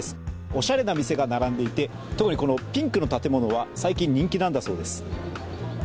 おしゃれな店が並んでいて、特にこのピンクの建物は、最近人気なんだそうです。